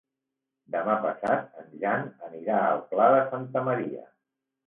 Demà passat en Jan anirà al Pla de Santa Maria.